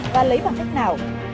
và lấy bằng cách nào